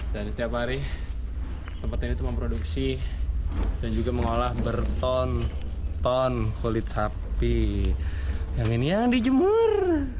dan setiap hari tempat ini memproduksi dan mengolah berton kulit sapi yang ini yang dijemur